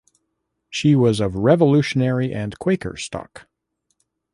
She was of Revolutionary and Quaker stock.